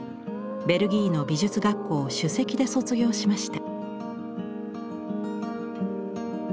ベルギーの美術学校を首席で卒業しました。